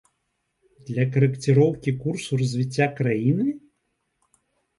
Для карэкціроўкі курсу развіцця краіны?